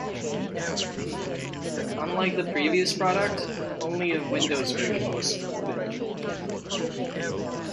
Unlike the previous product, only a Windows version was supported.